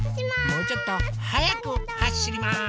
もうちょっとはやくはしります。